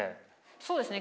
そうですね